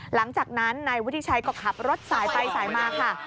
หลังจากนั้นนายวุฒิชัยก็ขับรถสายไปสายมาค่ะ